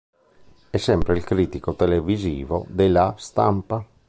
È sempre il critico televisivo de "La Stampa.